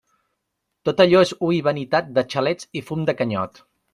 Tot allò és hui vanitat de xalets i fum de canyot.